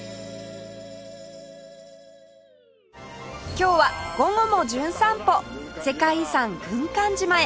今日は『午後もじゅん散歩』世界遺産軍艦島へ